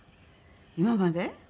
今まで？